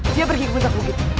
dia pergi ke puncak bukit